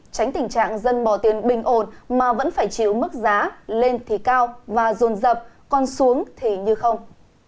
tránh tình trạng dân bỏ tiền bình ổn mà vẫn phải chịu mức giá lên thì cao và rồn dập còn xuống thì như không